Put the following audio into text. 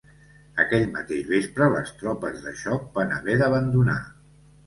Aquell mateix vespre les tropes de xoc van haver d'abandonar